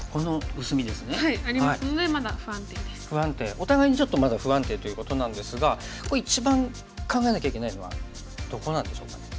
お互いにちょっとまだ不安定ということなんですがこれ一番考えなきゃいけないのはどこなんでしょうかね。